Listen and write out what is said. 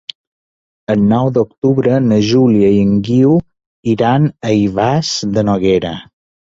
El nou d'octubre na Júlia i en Guiu iran a Ivars de Noguera.